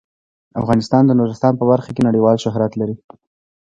افغانستان د نورستان په برخه کې نړیوال شهرت لري.